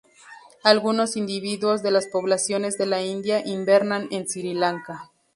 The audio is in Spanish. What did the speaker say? Algunos individuos de las poblaciones de la India invernan en Sri Lanka.